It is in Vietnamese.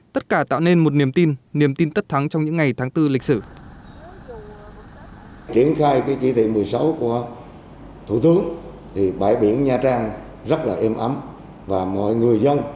tất cả tạo nên một niềm tin niềm tin tất thắng trong những ngày tháng bốn lịch sử